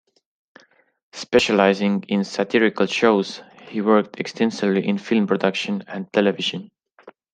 Specialising in satirical shows, he worked extensively in film production and television.